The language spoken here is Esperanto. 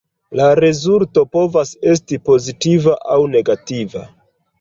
La rezulto povas esti pozitiva aŭ negativa.